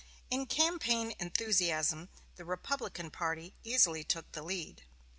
In campaign enthusiasm the Republican party easily took the lead.